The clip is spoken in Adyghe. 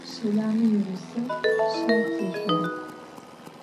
Şelame yiğuseu şai têşsuağ.